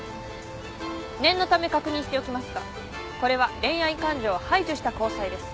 念のため確認しておきますがこれは恋愛感情を排除した交際です。